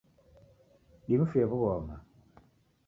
Dimfuye wughoma